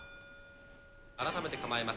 改めて構えます。